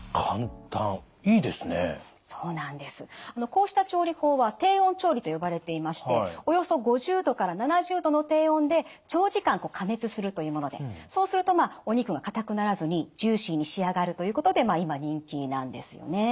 こうした調理法は低温調理と呼ばれていましておよそ５０℃から７０℃の低温で長時間加熱するというものでそうするとお肉がかたくならずにジューシーに仕上がるということで今人気なんですよね。